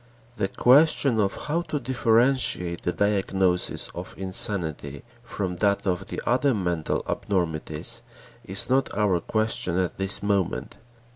The question of how to differentiate the diagnosis of insanity from that of the other mental abnormities is not our question at this moment.